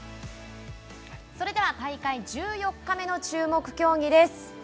それでは大会１４日目の注目競技です。